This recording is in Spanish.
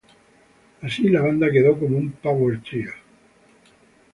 Así la banda quedó como un power trio.